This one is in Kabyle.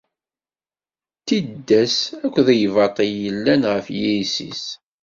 D tiddas akked lbaṭel i yellan ɣef yiles-is.